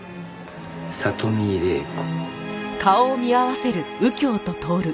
里見麗子。